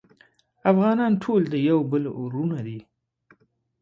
افغانان ټول د یو بل وروڼه دی